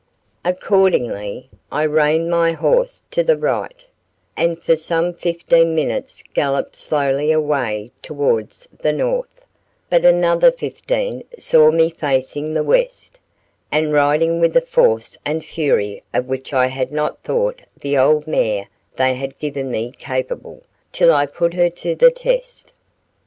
Accordingly I reined my horse to the right, and for some fifteen minutes galloped slowly away towards the north; but another fifteen saw me facing the west, and riding with a force and fury of which I had not thought the old mare they had given me capable, till I put her to the test.